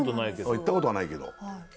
行った事はないけど。